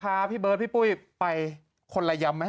พี่เบิร์ดพี่ปุ้ยไปคนละยำไหม